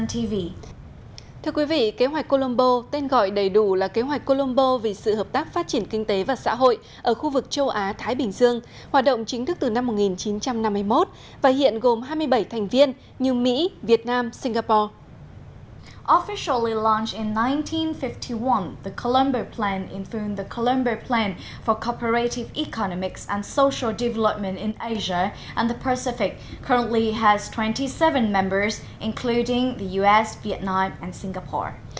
thưa quý vị kế hoạch colombo tên gọi đầy đủ là kế hoạch colombo vì sự hợp tác phát triển kinh tế và xã hội ở khu vực châu á thái bình dương hoạt động chính thức từ năm một nghìn chín trăm năm mươi một và hiện gồm hai mươi bảy thành viên như mỹ việt nam singapore